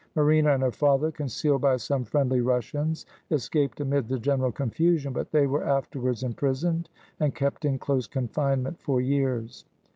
Marina and her father, concealed by some friendly Rus sians, escaped amid the general confusion ; but they were afterwards imprisoned, and kept in close confinement for years.